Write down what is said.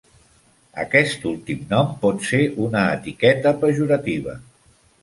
Aquest últim nom pot ser una etiqueta pejorativa.